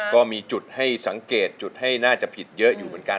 ก็มีจุดให้สังเกตจุดให้น่าจะผิดเยอะอยู่เหมือนกัน